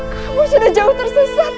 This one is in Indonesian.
kamu sudah jauh tersesat